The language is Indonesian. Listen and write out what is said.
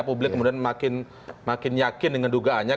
publik kemudian makin yakin dengan dugaannya